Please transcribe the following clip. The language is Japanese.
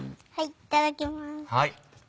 いただきます！